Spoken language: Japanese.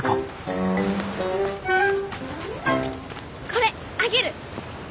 これあげる！